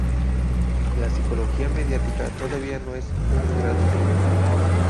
La psicología mediática todavía no es un grado clínico.